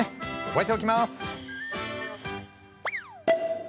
覚えておきます。